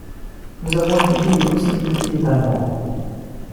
Nous avons étudié des possibilités d’étalement.